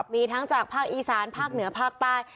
มีทั้งจากภาคอีสานภาคเหนือภาคใต้